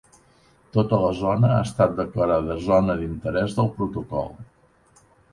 Tota la zona ha estat declarada zona d'interès del protocol.